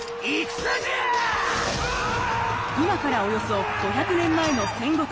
今からおよそ５００年前の戦国時代。